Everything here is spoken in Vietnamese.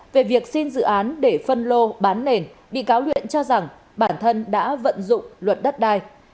về việc xin dự án để phân lô bán nền bị cáo luyện cho rằng bản thân đã vận dụng luật đất đai